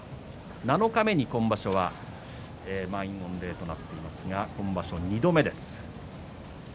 七日目に今場所は満員御礼となっていますが今場所２度目です。